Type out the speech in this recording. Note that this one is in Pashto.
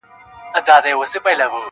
دوی د پیښي په اړه پوښتني کوي او حيران دي,